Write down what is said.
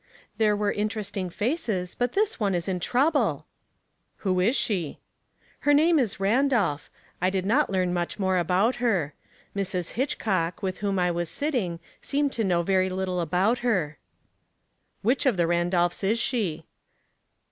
" There were interesting faces ; but this one is in trouble." " Who is she ?" "Her name is Randolph. I did not learn much more about her. Mrs. Hitchcock, with whom I was sitting, seemed to know very little about her." " Which of the Randolphs is she